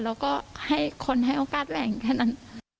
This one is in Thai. แล้วก็ให้คนให้โอกาสแรงแค่นั้น